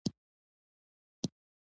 هغه څوک چې هره ورځ د یو څه لپاره حرکت کوي.